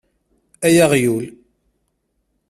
Ay aɣyul!